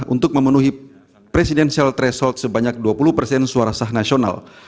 untuk memenuhi presidensial threshold sebanyak dua puluh persen suara sah nasional